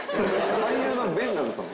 俳優のベンガルさん。